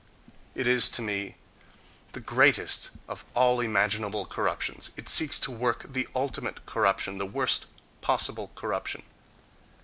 It is, to me, the greatest of all imaginable corruptions; it seeks to work the ultimate corruption, the worst possible corruption.